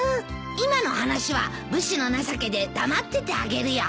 今の話は武士の情けで黙っててあげるよ。